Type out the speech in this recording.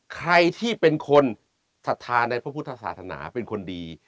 ใครที่เป็นคนศรัทธาในพระพุทธศาสนาเป็นคนดี